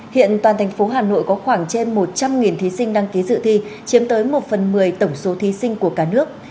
hiện toàn thành phố hà nội có khoảng trên một trăm linh thí sinh đăng ký dự thi chiếm tới một phần một mươi tổng số thí sinh của cả nước